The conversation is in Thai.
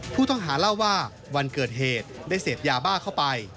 ผู้ต้องหาเล่าว่าวันเกิดเหตุได้เสพยาบ้าเข้าไป